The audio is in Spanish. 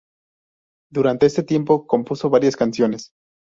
Durante este tiempo, compuso varias canciones.